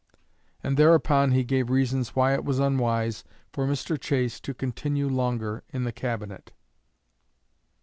And thereupon he gave reasons why it was unwise for Mr. Chase to continue longer in the Cabinet."